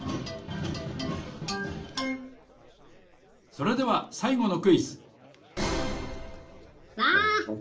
それではさいごのクイズ！わなんだ？